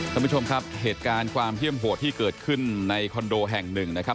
ท่านผู้ชมครับเหตุการณ์ความเฮี่ยมโหดที่เกิดขึ้นในคอนโดแห่งหนึ่งนะครับ